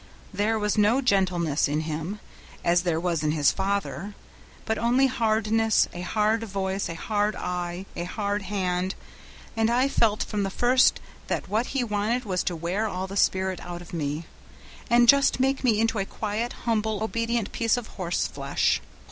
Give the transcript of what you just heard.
There was no gentleness in him, as there was in his father, but only hardness, a hard voice, a hard eye, a hard hand; and I felt from the first that what he wanted was to wear all the spirit out of me, and just make me into a quiet, humble, obedient piece of horseflesh.